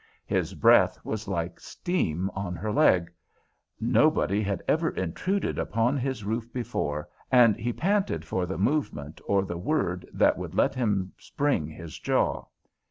His breath was like steam on her leg. Nobody had ever intruded upon his roof before, and he panted for the movement or the word that would let him spring his jaw.